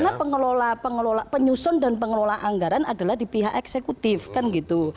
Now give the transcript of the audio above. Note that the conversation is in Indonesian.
karena pengelola penyusun dan pengelola anggaran adalah di pihak eksekutif kan gitu